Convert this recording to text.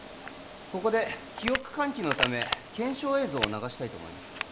ここで記憶喚起のため検証映像を流したいと思います